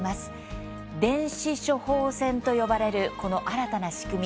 電子処方箋と呼ばれるこの新たな仕組み。